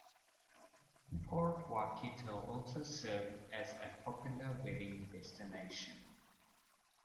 Port Waikato also serves as a popular wedding destination.